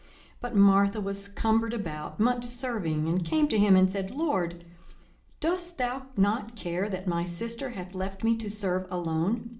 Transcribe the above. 42:010:040 But Martha was cumbered about much serving, and came to him, and said, Lord, dost thou not care that my sister hath left me to serve alone?